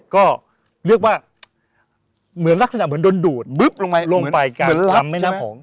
ก็เรียกว่าเหมือนลักษณะเหมือนโดนดูดบึ๊บลงไปลงไปเหมือนลำแม่น้ำโขง